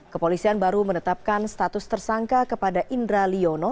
kepolisian baru menetapkan status tersangka kepada indra liono